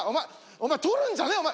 お前撮るんじゃねえお前！